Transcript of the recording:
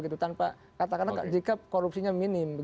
tanpa katakanlah jika korupsinya minim